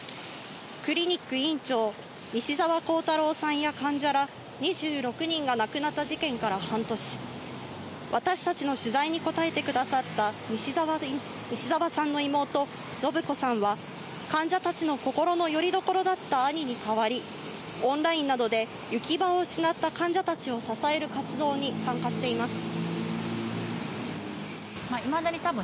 クリニック院長・西澤弘太郎さんや患者ら２６人が亡くなった事件から半年、私たちの取材に応えてくださった西澤さんの妹・伸子さんは、患者たちの心のよりどころだった兄に代わり、オンラインなどで、行き場を失った患者さんたちを支える活動に参加しています。